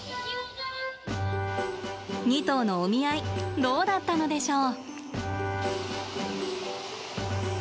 ２頭のお見合いどうだったのでしょう？